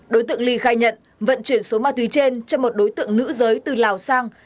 đối tượng ly khai nhận vận chuyển số ma túy trên cho một đối tượng nữ giới từ lào sang